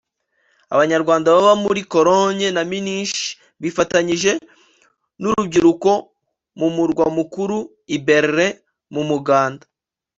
Abanyarwanda baba muri Cologne na Munich bifatanyije n’uru rubyiruko mu Murwa Mukuru i Berlin mu muganda